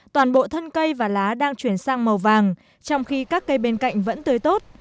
toàn bộ thân cây và lá đang chuyển sang màu vàng trong khi các cây bên cạnh vẫn tươi tốt